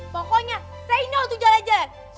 pokoknya say no tuh jalan jalan